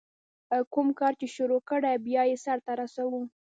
کوم کار چي شروع کړې، بیا ئې سر ته رسوه.